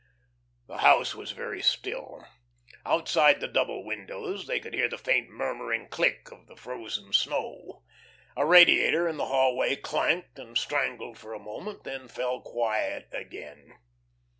The house was very still. Outside the double windows they could hear the faint murmuring click of the frozen snow. A radiator in the hallway clanked and strangled for a moment, then fell quiet again.